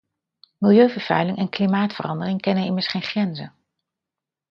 Milieuvervuiling en klimaatverandering kennen immers geen grenzen.